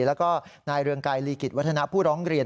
แล้วก็นายเรืองไกรลีกิจวัฒนาผู้ร้องเรียน